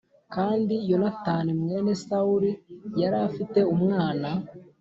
Kandi Yonatani mwene Sawuli yari afite umwana